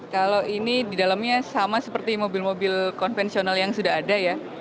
kalau ini di dalamnya sama seperti mobil mobil konvensional yang sudah ada ya